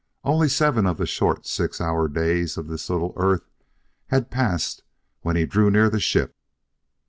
Only seven of the short six hour days of this little earth had passed when he drew near the ship.